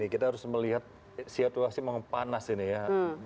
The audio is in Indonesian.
kita harus melihat situasi memang panas ini ya